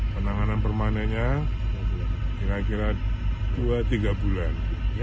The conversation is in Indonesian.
penanganan permanennya kira kira dua tiga bulan